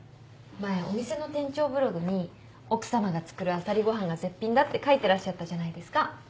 前お店の店長ブログに奥さまが作るあさりご飯が絶品だって書いてらっしゃったじゃないですか。